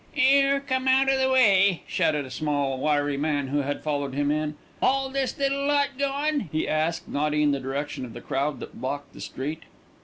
"'Ere, come out of the way," shouted a small wiry man who had followed him in. "All this little lot goin'?" he asked, nodding in the direction of the crowd that blocked the street.